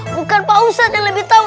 bukan pak ustadz yang lebih tahu